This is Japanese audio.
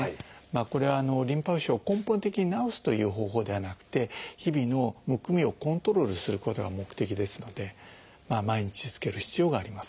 これはリンパ浮腫を根本的に治すという方法ではなくて日々のむくみをコントロールすることが目的ですので毎日着ける必要があります。